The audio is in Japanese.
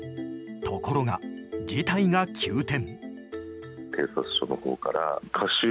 ところが、事態が急転。